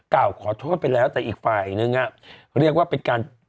กล่าวขอโทษไปแล้วแต่อีกฝ่ายนึงเรียกว่าเป็นการ